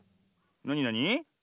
なになに？